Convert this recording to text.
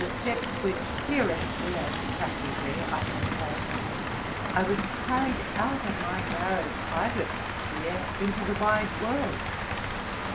5) steps which, theoretically and practically, I had trod, I was carried out of my narrow private sphere into the wide world.